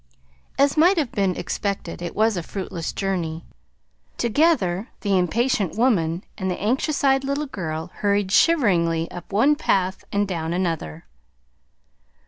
As might have been expected, it was a fruitless journey. Together the impatient woman and the anxious eyed little girl hurried shiveringly up one path and down another.